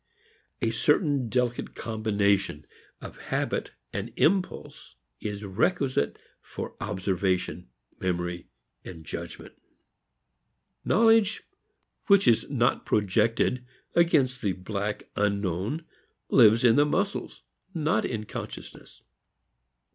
A certain delicate combination of habit and impulse is requisite for observation, memory and judgment. Knowledge which is not projected against the black unknown lives in the muscles, not in consciousness.